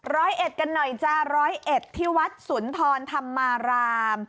ร้อยเอ็ดกันหน่อยจ้าร้อยเอ็ดที่วัดสุนทรธรรมาราม